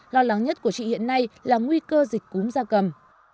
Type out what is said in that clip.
lo lắng nhất của chị hiện nay là nguy cơ dịch cúm da cầm